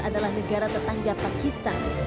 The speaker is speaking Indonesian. adalah negara tetangga pakistan